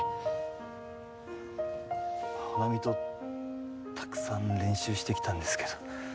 帆奈美とたくさん練習してきたんですけど。